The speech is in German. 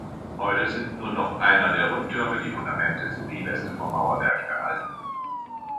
Heute sind nur noch einer der Rundtürme, die Fundamente sowie Reste vom Mauerwerk erhalten.